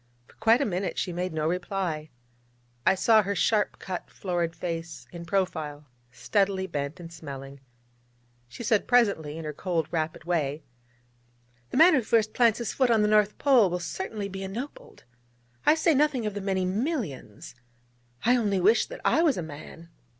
For quite a minute she made no reply. I saw her sharp cut, florid face in profile, steadily bent and smelling. She said presently in her cold, rapid way: 'The man who first plants his foot on the North Pole will certainly be ennobled. I say nothing of the many millions... I only wish that I was a man!'